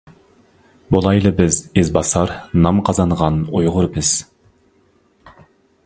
بولايلى بىز ئىز باسار نام قازانغان ئۇيغۇر بىز.